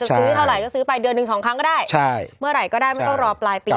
ซื้อเท่าไหร่ก็ซื้อไปเดือนหนึ่งสองครั้งก็ได้เมื่อไหร่ก็ได้ไม่ต้องรอปลายปี